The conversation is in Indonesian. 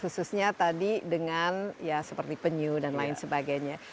khususnya tadi dengan ya seperti penyu dan lain sebagainya